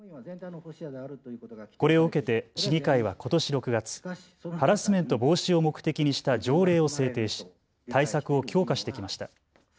これを受けて市議会はことし６月、ハラスメント防止を目的にした条例を制定し対策を強化してきました。